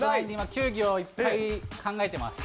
球技をいっぱい、考えてます。